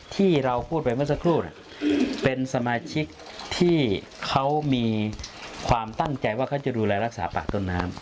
ที่เราพูดไปเมื่อสักครู่เป็นสมาชิกที่เขามีความตั้งใจว่าเขาจะดูแลรักษาปากต้นน้ำ